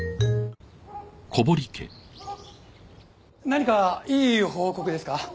何かいい報告ですか？